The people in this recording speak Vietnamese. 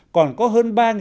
còn có hơn ba di sản cơ sở